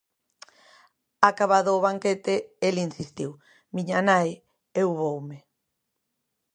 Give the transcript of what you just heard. Acabado o banquete el insistiu: Miña nai, eu voume.